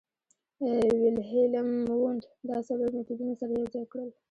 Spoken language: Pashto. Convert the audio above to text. ویلهیلم وونت دا څلور مېتودونه سره یوځای کړل